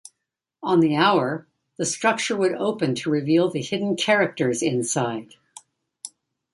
On the hour, the structure would open to reveal the hidden characters inside.